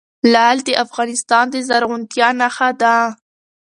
لعل د افغانستان د زرغونتیا نښه ده.